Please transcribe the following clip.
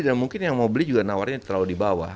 mungkin yang mau beli juga nawarnya terlalu di bawah